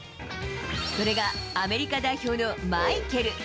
それがアメリカ代表のマイケル。